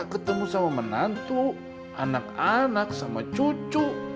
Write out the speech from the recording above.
ketemu sama menantu anak anak sama cucu